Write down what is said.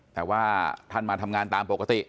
แต่ว่าท่านมาทำงานตามปกติ